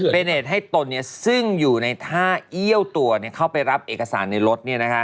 เป็นเหตุให้ตนซึ่งอยู่ในท่าเอี้ยวตัวเข้าไปรับเอกสารในรถ